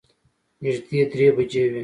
نږدې درې بجې وې.